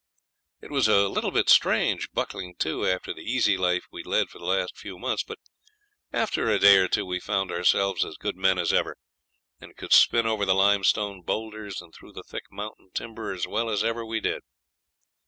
It was a little bit strange buckling to after the easy life we'd led for the last few months; but after a day or two we found ourselves as good men as ever, and could spin over the limestone boulders and through the thick mountain timber as well as ever we did.